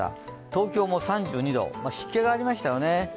東京も３２度、湿気がありましたよね。